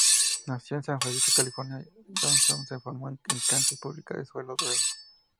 Nacido en San Francisco, California, Johnston se formó en canchas públicas de suelo duro.